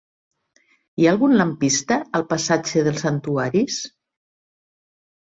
Hi ha algun lampista al passatge dels Santuaris?